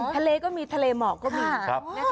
ทะเลก็มีทะเลหมอกก็มี